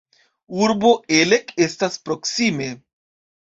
Urbo Elek estas proksime.